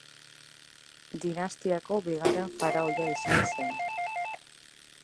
Dinastiako bigarren faraoia izan zen.